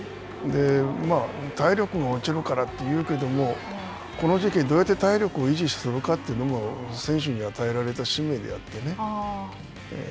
体力が落ちるからというけども、この時期、どうやって体力を維持するかというのも選手に与えられた使命であってね。